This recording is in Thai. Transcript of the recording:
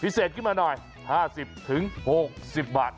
เศษขึ้นมาหน่อย๕๐๖๐บาท